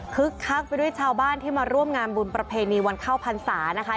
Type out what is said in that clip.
พึกคักไปด้วยทราบ้านที่มาร่วมงานบุญประเภณีวันเข้าพันษานะครับ